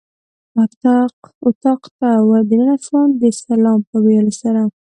اتاق ته ور دننه شوم د سلام په ویلو سره.